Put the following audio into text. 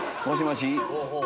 もしもし？